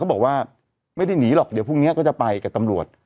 บอกว่าไม่ได้หนีหรอกเดี๋ยวพรุ่งนี้ก็จะไปกับตำรวจ